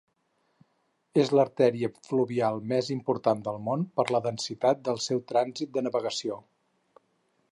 És l'artèria fluvial més important del món per la densitat del seu trànsit de navegació.